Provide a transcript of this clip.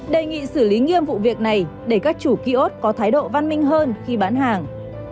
đề nghị xử lý nghiêm vụ việc này để các chủ ký ốt có thái độ văn minh hơn khi bán hàng